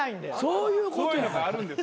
そういうのがあるんです。